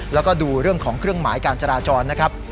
แล้วก็ดูเรื่องของเครื่องหมายการจราจรนะครับ